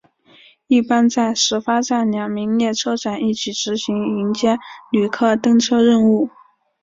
一般在始发站两名列车长一起执行迎接旅客登车任务。